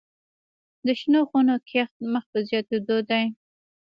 د شنو خونو کښت مخ په زیاتیدو دی